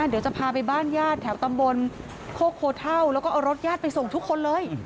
เดี๋ยวจะพาไปบ้านญาติแถวตำบลโคกโคเท่าแล้วก็เอารถญาติไปส่งทุกคนเลย